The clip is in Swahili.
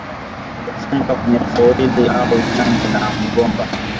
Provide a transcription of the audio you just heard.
Funga kwenye foili au jani la mgomba